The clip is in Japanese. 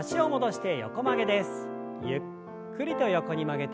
ゆっくりと横に曲げて。